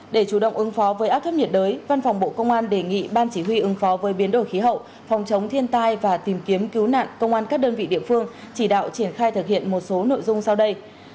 để chủ động ứng phó với áp thấp nhiệt đới văn phòng bộ công an đề nghị ban chỉ huy ứng phó với biến đổi khí hậu phòng chống thiên tai và tìm kiếm cứu nạn công an các đơn vị địa phương chỉ đạo triển khai thực hiện một số nội dung sau đây